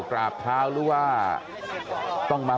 กลับไปลองกลับ